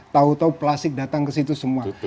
tahu tahu plastik datang ke situ semua